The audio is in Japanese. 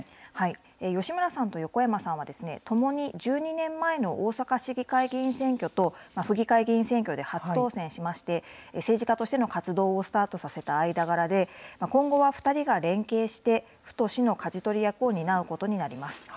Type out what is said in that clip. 吉村さんと横山さんは、ともに１２年前の大阪市議会議員選挙と、府議会議員選挙で初当選しまして、政治家としての活動をスタートさせた間柄で、今後は２人が連携して、府と市のかじ取り役を担うことになります。